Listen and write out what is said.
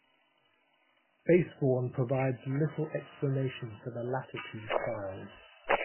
Basevorn provides little explanation for the latter two styles.